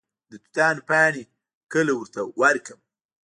د توتانو پاڼې کله ورته ورکړم؟